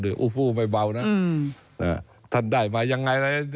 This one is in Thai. อู้ฟูไม่เบานะท่านได้มายังไงอะไร